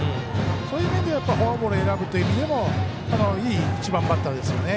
そういう面ではフォアボールを選ぶ意味でもいい１番バッターですよね。